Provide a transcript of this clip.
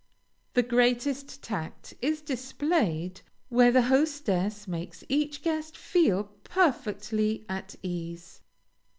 The greatest tact is displayed where the hostess makes each guest feel perfectly at ease.